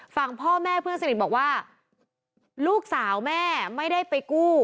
ฝั่งพ่อแม่เพื่อนสนิทบอกว่าลูกสาวแม่ไม่ได้ไปกู้